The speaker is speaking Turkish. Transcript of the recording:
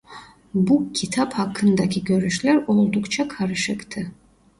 Bu kitap hakkındaki görüşler oldukça karışıktı.